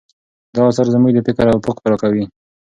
دا اثر زموږ د فکر افق پراخوي.